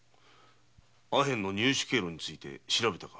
阿片の入手経路について調べたか？